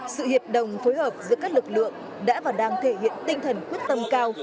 sự hiệp đồng phối hợp giữa các lực lượng đã và đang thể hiện tinh thần quyết tâm cao